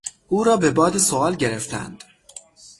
او را به باد سؤال گرفتند.